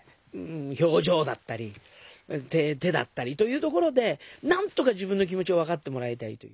表情だったり手だったりというところでなんとか自分の気持ちを分かってもらいたいという。